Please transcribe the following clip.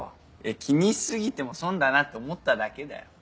気にし過ぎても損だなって思っただけだよ。